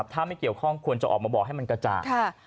ถ้าไม่เกี่ยวข้องควรจะออกมาบอกให้มันกระจ่าง